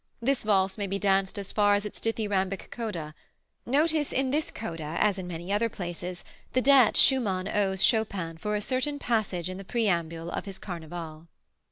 This valse may be danced as far as its dithyrhambic coda. Notice in this coda as in many other places the debt Schumann owes Chopin for a certain passage in the Preambule of his "Carneval."